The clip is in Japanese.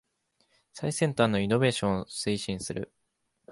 最先端のイノベーションを推進する